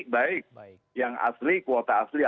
baik yang asli kuota asli